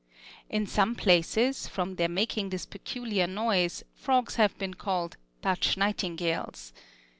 In some places, from their making this peculiar noise, frogs have been called "Dutch nightingales."